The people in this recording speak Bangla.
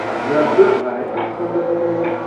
এখন এখান থেকে যান, ম্যাডাম।